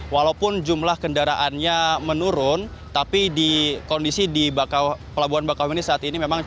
walaupun jumlah kendaraannya menurun tapi di kondisi di pelabuhan bakau ini saat ini memang